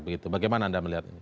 bagaimana anda melihat ini